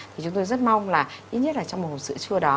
thì chúng tôi rất mong là ít nhất là trong một hộp sữa chua đó